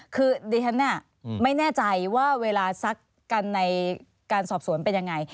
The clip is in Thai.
คือดิฉันไม่แน่ใจว่าเวลาซักกันในการสอบสวนเป็นยังไง